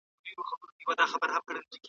ولي په واده کي له لوړو معيارونو څخه ډډه وکړو؟